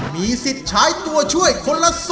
มีสิทธิ์ใช้ตัวช่วยคนละ๒ใน๓แผ่นป้าย